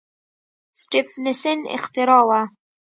سټېفنسن اختراع وه.